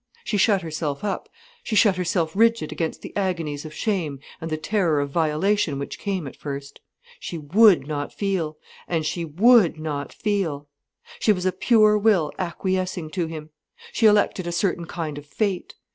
She shut herself up, she shut herself rigid against the agonies of shame and the terror of violation which came at first. She would not feel, and she would not feel. She was a pure will acquiescing to him. She elected a certain kind of fate.